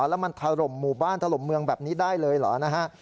แล้วมันถล่มหมู่บ้านถล่มเมืองแบบนี้ได้เลยเหรอนะฮะ